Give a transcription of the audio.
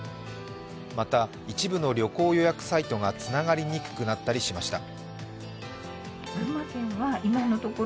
また一部の旅行予約サイトがつながりにくくなったりしました。